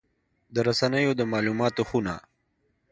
د رسنیو د مالوماتو خونه